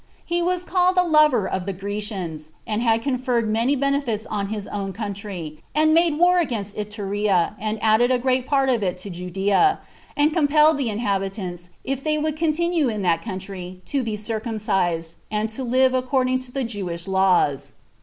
He was called a lover of the Grecians; and had conferred many benefits on his own country, and made war against Iturea, and added a great part of it to Judea, and compelled the inhabitants, if they would continue in that country, to be circumcised, and to live according to the Jewish laws.